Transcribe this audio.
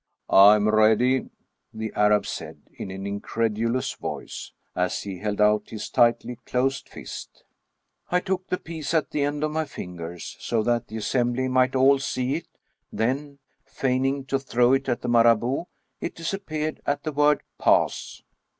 " I am ready," the Arab said, in an incredulous voice, as he held out his tightly closed fist. ^Gold Arabic coin. 234 M. Robert'Houdin I took the piece at the end of my fingers, so that the assembly might all see it, then, feigning to throw it at the Marabout, it disappeared at the word " Pass